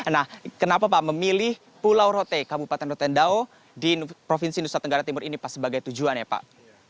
nah kenapa pak memilih pulau rote kabupaten rotendao di provinsi nusa tenggara timur ini pak sebagai tujuan ya pak